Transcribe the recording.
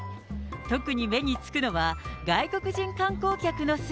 特に目につくのは、外国人観光客の姿。